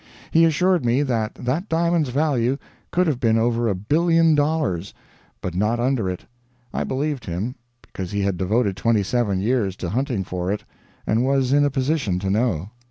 He assured me that that diamond's value could have been over a billion dollars, but not under it. I believed him, because he had devoted twenty seven years to hunting for it, and was in a position to know.